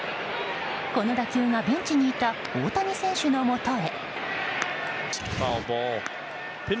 この打球がベンチにいた大谷選手のもとへ。